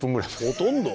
ほとんど。